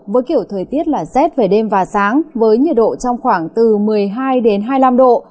với kiểu thời tiết là rét về đêm và sáng với nhiệt độ trong khoảng từ một mươi hai đến hai mươi năm độ